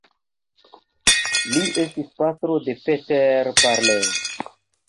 Li estis patro de Peter Parler.